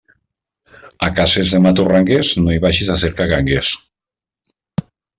A cases de maturrangues no hi vagis a cercar gangues.